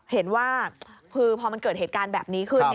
เห็นว่าคือพอมันเกิดเหตุการณ์แบบนี้ขึ้น